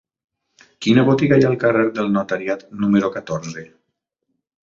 Quina botiga hi ha al carrer del Notariat número catorze?